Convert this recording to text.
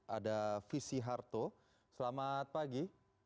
ada visi harto selamat pagi